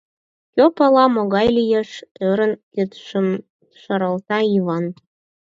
— Кӧ пала, могай лиеш, — ӧрын, кидшым шаралта Йыван.